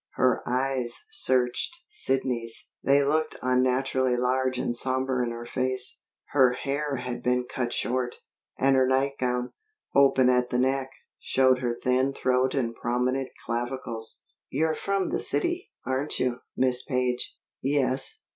Her eyes searched Sidney's. They looked unnaturally large and somber in her face. Her hair had been cut short, and her nightgown, open at the neck, showed her thin throat and prominent clavicles. "You're from the city, aren't you, Miss Page?" "Yes."